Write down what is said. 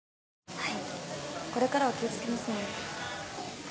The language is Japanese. はいこれからは気を付けますので。